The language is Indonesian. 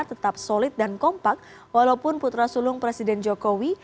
tetap solid dan kompak walaupun putra sulung presiden jokowi